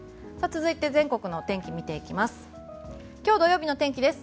続いて、全国のお天気を見ていきます。